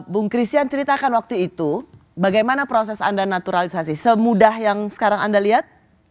bung christian ceritakan waktu itu bagaimana proses anda naturalisasi semudah yang sekarang anda lihat